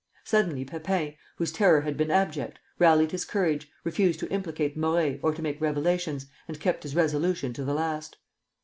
Suddenly Pepin, whose terror had been abject, rallied his courage, refused to implicate Morey or to make revelations, and kept his resolution to the last.